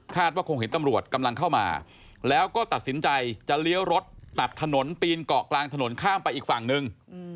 ว่าคงเห็นตำรวจกำลังเข้ามาแล้วก็ตัดสินใจจะเลี้ยวรถตัดถนนปีนเกาะกลางถนนข้ามไปอีกฝั่งหนึ่ง